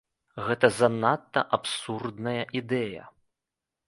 Гэта занадта абсурдная ідэя.